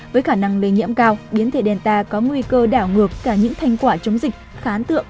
với khả năng lây nhiễm cao biến thể delta có nguy cơ đảo ngược cả những thành quả chống dịch khá ấn tượng